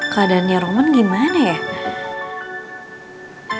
keadaannya roman gimana ya